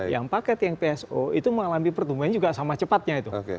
yang paket yang pso itu mengalami pertumbuhan juga sama cepatnya itu